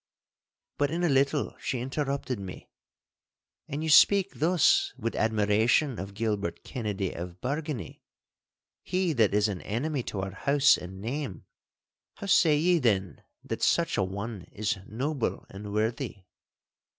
But in a little she interrupted me. 'And you speak thus with admiration of Gilbert Kennedy of Bargany, he that is an enemy to our house and name! How say ye then that such an one is noble and worthy?